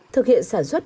thực hiện sản xuất